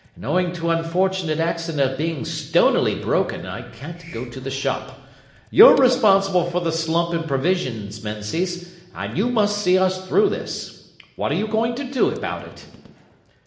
And owing to unfortunate accident of being stonily broken, I can't go to the shop. You're responsible for the slump in provisions, Menzies, and you must see us through this. What are you going to do about it?"